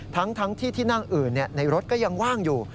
ทั้งที่ที่นั่งอื่นในรถก็ยังว่างอยู่